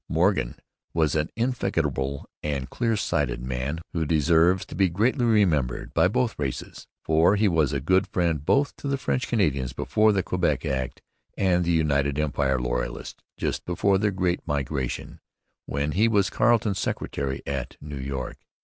Morgan was an indefatigable and clear sighted man who deserves to be gratefully remembered by both races; for he was a good friend both to the French Canadians before the Quebec Act and to the United Empire Loyalists just before their great migration, when he was Carleton's secretary at New York.